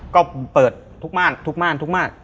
ก็เปิดทุกมารทุกมารทุกมาร